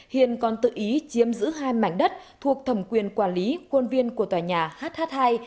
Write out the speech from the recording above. hiền còn tự ý chiếm giữ hai mảnh đất thuộc thẩm quyền quản lý quân viên của tòa nhà h h hai